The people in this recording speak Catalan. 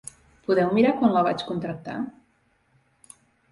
Podeu mirar quan la vaig contractar?